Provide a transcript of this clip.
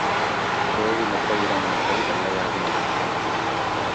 கோழி முட்டையிடும் முட்டை வெள்ளையாக இருக்கும்.